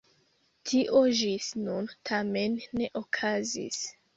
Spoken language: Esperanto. Tio ĝis nun tamen ne okazis.